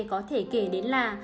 có thể kể đến là